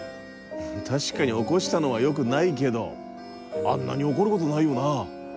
確かに起こしたのはよくないけどあんなに怒ることないよな。